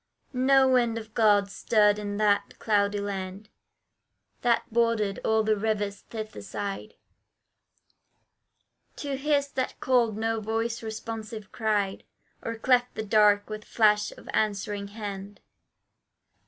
No wind of God stirred in that cloudy land That bordered all the River's thither side; To his that called no voice responsive cried, Or cleft the dark with flash of answering hand.